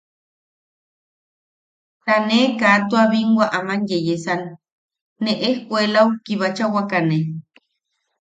Ta ne kaa tua binwa aman yeyesan nee ejkuelau kibachawakane.